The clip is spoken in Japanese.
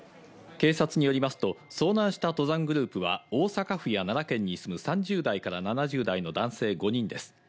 警察によりますと、遭難した登山グループは大阪府や奈良県に住む３０代から７０代の男性５人です。